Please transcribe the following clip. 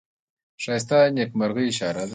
ښایست د نیکمرغۍ اشاره ده